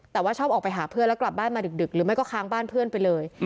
แต่ว่าชอบออกไปหาเพื่อนแล้วกลับบ้านมาดึกหรือไม่ก็ค้างบ้านเพื่อนไปเลย